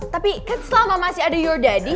tapi kan selama masih ada your daddy